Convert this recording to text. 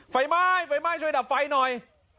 ไฟไหม้ไฟไหม้ช่วยดับไฟหน่อย